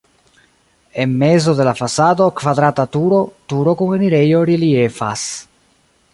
En mezo de la fasado kvadrata turo turo kun enirejo reliefas.